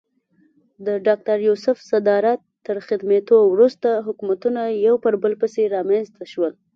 د ډاکټر یوسف صدارت تر ختمېدو وروسته حکومتونه یو پر بل پسې رامنځته شول.